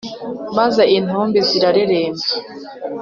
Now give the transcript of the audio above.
Maze intumbi zirareremba